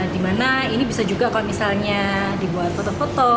dimana ini bisa juga kalau misalnya dibuat foto foto